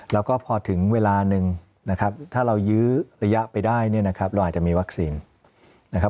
แล้วก็พอถึงเวลาหนึ่งนะครับถ้าเรายื้อระยะไปได้เนี่ยนะครับเราอาจจะมีวัคซีนนะครับ